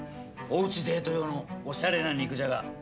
おうちデート用のおしゃれな肉じゃが。